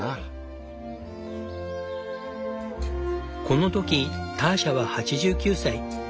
この時ターシャは８９歳。